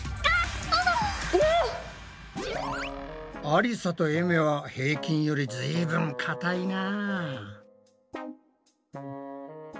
ありさとえめは平均よりずいぶんかたいな。